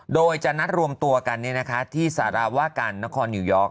โดยจะนัดรวมตัวกันที่สารวาการนครนิวยอร์ก